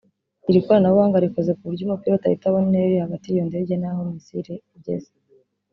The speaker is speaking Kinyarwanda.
iri koranabuhanga rikoze ku buryo umupilote ahita abona intera iri hagati y’ iyo ndege n’ aho messile igeze